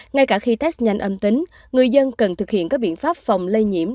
ngay cả khi test nhanh âm tính người dân cần thực hiện các biện pháp phòng lây nhiễm